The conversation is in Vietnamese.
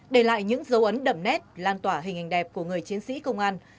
để lại những dấu ấn đậm nét lan tỏa hình hình đẹp của người chiến sĩ công an